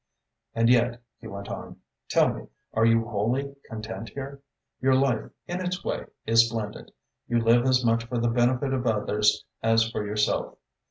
"And yet," he went on, "tell me, are you wholly content here? Your life, in its way, is splendid. You live as much for the benefit of others as for yourself.